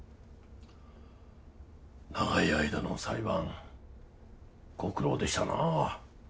長い間の裁判ご苦労でしたな。